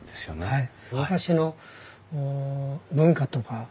はい。